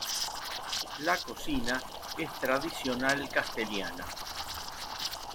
La cocina es tradicional castellana.